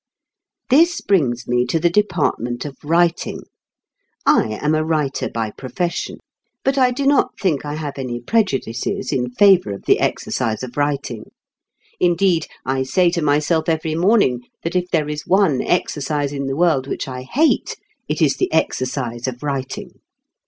This brings me to the department of writing. I am a writer by profession; but I do not think I have any prejudices in favour of the exercise of writing. Indeed, I say to myself every morning that if there is one exercise in the world which I hate, it is the exercise of writing.